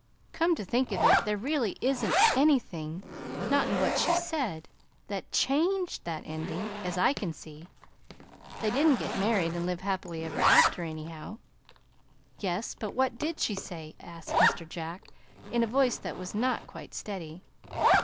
"Come to think of it, there really isn't anything not in what she said that CHANGED that ending, as I can see. They didn't get married and live happy ever after, anyhow." "Yes, but what did she say?" asked Mr. Jack in a voice that was not quite steady.